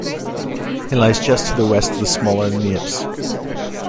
It lies just to the west of the smaller Niepce.